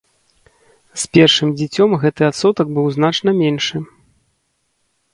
З першым дзіцем гэты адсотак быў значна меншы.